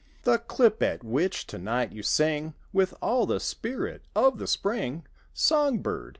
The clip at which tonight you sing With all the spirit of the spring Song bird.